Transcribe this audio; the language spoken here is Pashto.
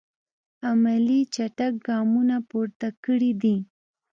عملي چټک ګامونه پورته کړی دي.